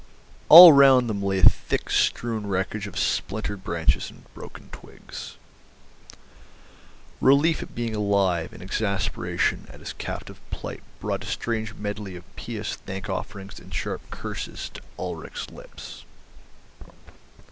All round them lay a thick strewn wreckage of splintered branches and broken twigs. Relief at being alive and exasperation at his captive plight brought a strange medley of pious thank offerings and sharp curses to Ulrich's lips.